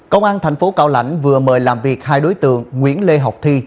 công an tp cao lãnh vừa mời làm việc hai đối tượng nguyễn lê học thi